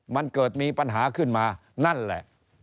มันเกิดมีปัญหาขึ้นมานั่นแหละ